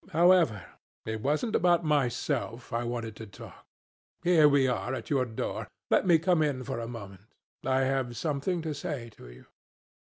However, it wasn't about myself I wanted to talk. Here we are at your door. Let me come in for a moment. I have something to say to you."